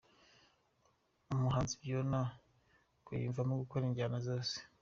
Umuhanzi Byonna ngo yiyumvamo gukora injyana zose.